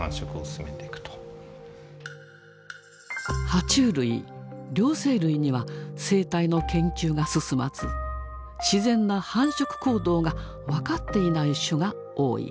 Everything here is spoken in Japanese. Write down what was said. は虫類両生類には生態の研究が進まず自然な繁殖行動が分かっていない種が多い。